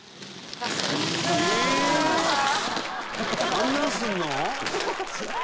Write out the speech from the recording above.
「あんなんするの？」